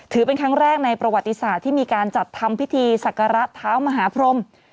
ถือเป็นครั้งแรกในประวัติศาสตร์ที่มีการจัดทำพิธีศักระเท้ามหาพรม